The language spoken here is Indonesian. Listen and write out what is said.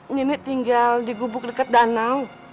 nenek tinggal di gubuk dekat danau